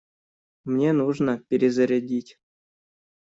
Мне нужно перезарядить.